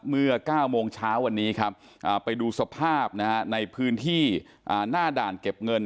เมื่อ๙โมงเช้าวันนี้ครับไปดูสภาพในพื้นที่หน้าด่านเก็บเงิน